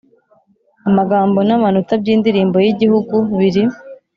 Amagambo n amanota by Indirimbo y Igihugu biri